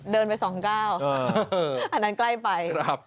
เดินไป๒เก้าอันนั้นใกล้ไปครับ